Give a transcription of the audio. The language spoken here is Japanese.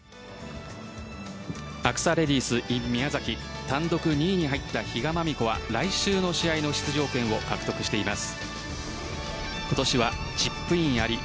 アクサレディスｉｎＭＩＹＡＺＡＫＩ単独２位に入った比嘉真美子は来週の試合の出場権を獲得しています。